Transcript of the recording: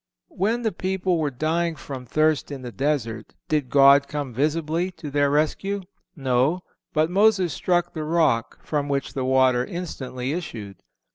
When the people were dying from thirst in the desert, did God come visibly to their rescue? No; but Moses struck the rock, from which the water instantly issued.